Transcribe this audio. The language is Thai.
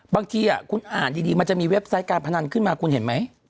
บางทีคุณอ่านดีมันจะมีเว็บไซต์การพนันขึ้นมาคุณเห็นไหม